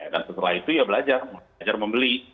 dan setelah itu ya belajar belajar membeli